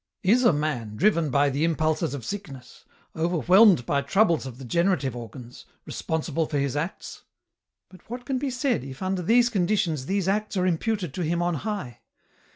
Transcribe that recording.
Is a man driven by the impulses of sickness, overwhelmed by troubles of the genera tive organs, responsible for his acts ?"" But what can be said if under these conditions these acts are imputed to him on high.